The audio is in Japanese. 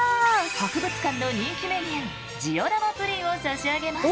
博物館の人気メニュージオラマプリンを差し上げます。